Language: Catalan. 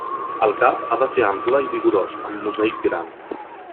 El cap ha de ser ample i vigorós, amb musell gran.